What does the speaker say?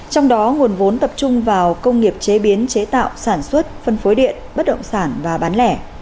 trong đó nguồn vốn tập trung vào công nghiệp chế biến chế tạo sản xuất phân phối điện bất động sản và bán lẻ